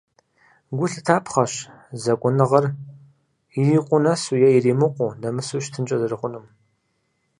Гу лъытапхъэщ зэкӏуныгъэр ирикъуу нэсу е иримыкъуу, нэмысу щытынкӏэ зэрыхъунум.